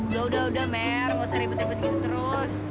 ya udah udah mer gak usah ribet ribet gitu terus